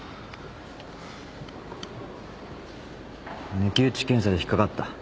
抜き打ち検査で引っ掛かった。